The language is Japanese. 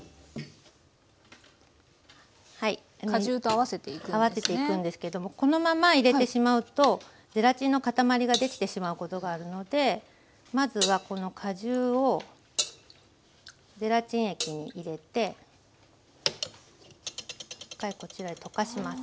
合わせていくんですけどもこのまま入れてしまうとゼラチンのかたまりができてしまうことがあるのでまずはこの果汁をゼラチン液に入れて１回こちらへ溶かします。